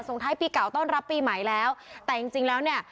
ท้ายปีเก่าต้อนรับปีใหม่แล้วแต่จริงจริงแล้วเนี่ย